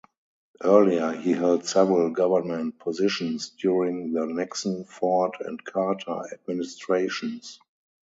Earlier he held several government positions during the Nixon, Ford and Carter administrations.